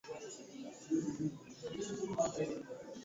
wachaga wanarudi nyumbani msimu wa sikukuu